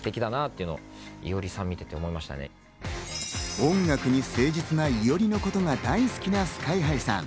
音楽に誠実な伊折の事が大好きなＳＫＹ−ＨＩさん。